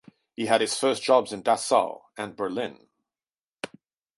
He had his first jobs in Dessau and Berlin.